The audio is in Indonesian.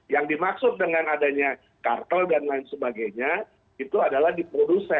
yang dimaksud dengan adanya kartel dan lain sebagainya itu adalah di produsen